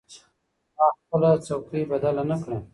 ما خپله څوکۍ بدله نه کړه.